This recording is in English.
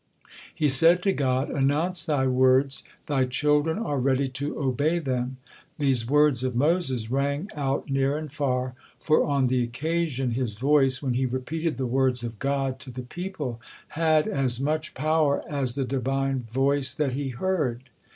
He said to God: "Announce Thy words, Thy children are ready to obey them." These words of Moses rang out near and far, for on the occasion, his voice, when he repeated the words of God to the people, had as much power as the Divine voice that he heard.